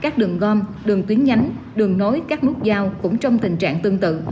các đường gom đường tuyến nhánh đường nối các nút giao cũng trong tình trạng tương tự